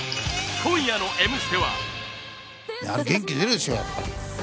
今夜の『Ｍステ』は。